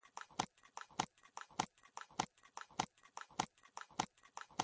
تعلیم نجونو ته د بحث کولو اصول ور زده کوي.